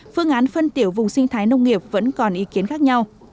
phương án phân tiểu vùng sinh thái nông nghiệp vẫn còn ý kiến khác nhau